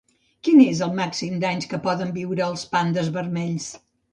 Quin és el màxim d'anys que poden viure els pandes vermells?